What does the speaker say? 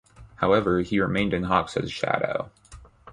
However, he remained in Hoxha's shadow.